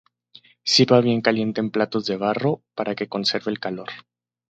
Sirva bien caliente en platos de barro, para que conserve el calor.